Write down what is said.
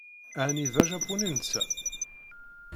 Ɛni d ajapuni netta?